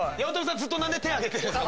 ずっと何で手挙げてるんですか？